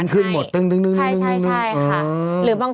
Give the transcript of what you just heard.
มันก็ลิ้งขึ้นหมดตึ้ง